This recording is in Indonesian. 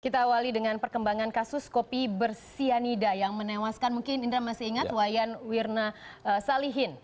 kita awali dengan perkembangan kasus kopi bersianida yang menewaskan mungkin indra masih ingat wayan wirna salihin